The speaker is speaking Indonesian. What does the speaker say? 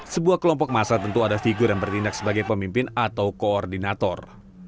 sebuah kelompok masa tentu ada figur yang bertindak sebagai pemimpin atau koordinator